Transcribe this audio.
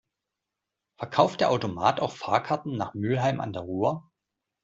Verkauft der Automat auch Fahrkarten nach Mülheim an der Ruhr?